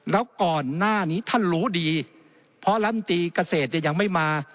แล้วก่อนหน้านี้ท่านรู้ดีเพราะลำตีเกษตรเนี่ยยังไม่มา